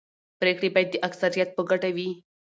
پرېکړې باید د اکثریت په ګټه وي